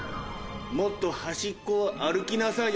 もっと端っこを歩きなさいよ。